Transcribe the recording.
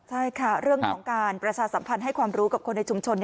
ใช่ค่ะเรื่องของการประชาสัมพันธ์ให้ความรู้กับคนในชุมชน